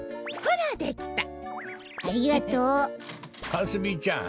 かすみちゃん